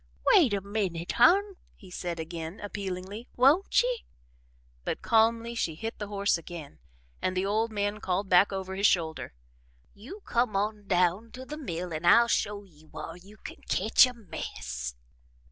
"Wait a minute, Hon," he said again, appealingly, "won't ye?" but calmly she hit the horse again and the old man called back over his shoulder: "You come on down to the mill an' I'll show ye whar you can ketch a mess."